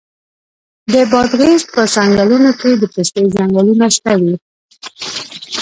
د بادغیس په څنګلونو کې د پستې ځنګلونه شته دي.